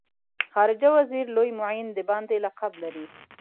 خارجه وزیر لوی معین د باندې لقب لري.